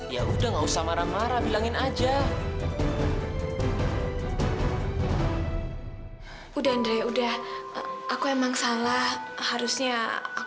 ya udah sekarang kamu lari ya